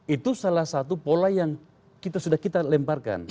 itu salah satu pola yang sudah kita lemparkan